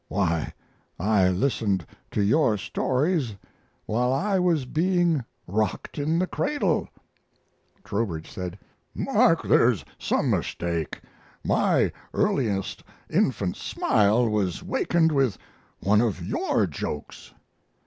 Why, I listened to your stories while I was being rocked in the cradle." Trowbridge said: "Mark, there's some mistake. My earliest infant smile was wakened with one of your jokes."